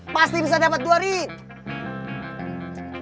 pasti bisa dapet dua ring